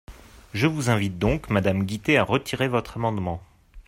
Je vous invite donc, madame Guittet, à retirer votre amendement.